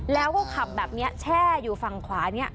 แล้วก็ขับแบบนี้แช่อยู่ฝั่งขวาเนี่ย